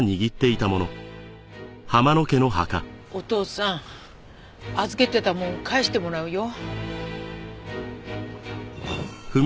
お父さん預けてたもの返してもらうよ。